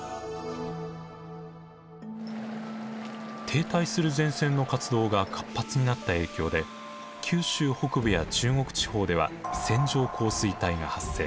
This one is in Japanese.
停滞する前線の活動が活発になった影響で九州北部や中国地方では線状降水帯が発生。